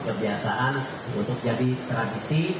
kebiasaan untuk jadi tradisi